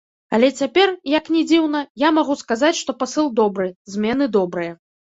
Але цяпер, як ні дзіўна, я магу сказаць, што пасыл добры, змены добрыя.